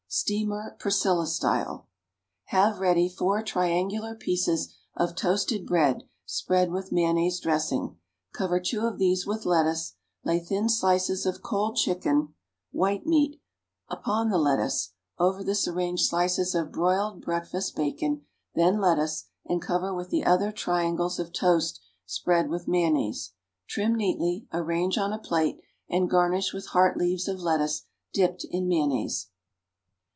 = (Steamer Priscilla style.) Have ready four triangular pieces of toasted bread spread with mayonnaise dressing; cover two of these with lettuce, lay thin slices of cold chicken (white meat) upon the lettuce, over this arrange slices of broiled breakfast bacon, then lettuce, and cover with the other triangles of toast spread with mayonnaise. Trim neatly, arrange on a plate, and garnish with heart leaves of lettuce dipped in mayonnaise.